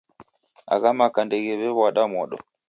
Agha maka ndeghiw'ew'wada modo.